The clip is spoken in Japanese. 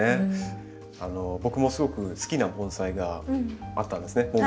僕もすごく好きな盆栽があったんですね。